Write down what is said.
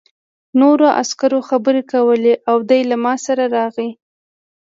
نورو عسکرو خبرې کولې او دی له ما سره راغی